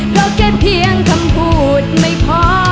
เพราะแค่เพียงคำพูดไม่พอ